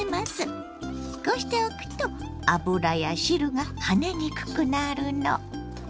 こうしておくと油や汁が跳ねにくくなるの。